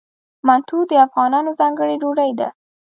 منتو د افغانانو ځانګړې ډوډۍ ده.